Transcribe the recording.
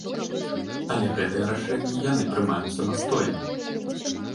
Але гэтыя рашэнні яны прымаюць самастойна.